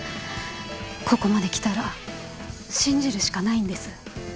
ここまできたら信じるしかないんです。